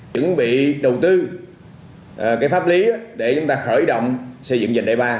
chuẩn bị đầu tư cái pháp lý để chúng ta khởi động xây dựng dành đại ba